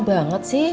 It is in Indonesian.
kok nyat banget sih